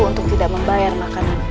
untuk tidak membayar makananku